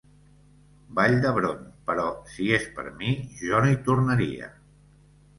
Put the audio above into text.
Vall d'Hebron, però si és per mi, jo no hi tornaria.